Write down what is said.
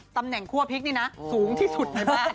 ตำแหน่งคั่วพริกนี่นะสูงที่สุดในบ้าน